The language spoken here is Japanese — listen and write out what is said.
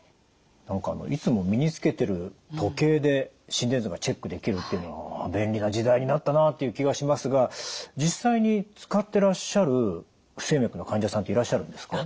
何かいつも身につけてる時計で心電図がチェックできるというのは便利な時代になったなという気がしますが実際に使ってらっしゃる不整脈の患者さんっていらっしゃるんですか？